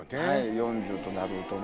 ４０となるとね。